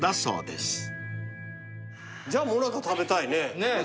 じゃもなか食べたいね。